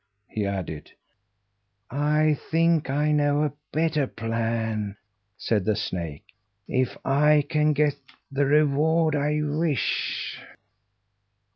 he added. "I think I know a better plan," said the snake, "if I can get the reward I wish."